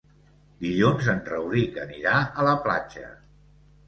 Dilluns en Rauric anirà a la platja.